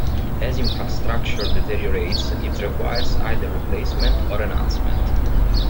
As infrastructure deteriorates, it requires either replacement or enhancement.